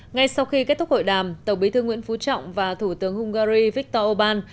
ngay sau khi kết thúc hội đàm tổng bí thư nguyễn phú trọng và thủ tướng hungary viktor orbán